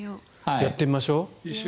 やってみましょう。